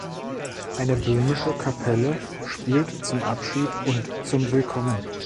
Eine böhmische Kapelle spielt zum Abschied und zum Willkommen.